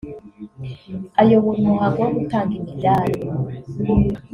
Ayobora umuhango wo gutanga imidali